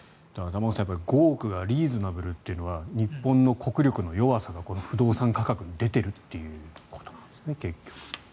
玉川さん５億がリーズナブルというのが日本の国力の弱さが不動産価格に出ているということなんですね。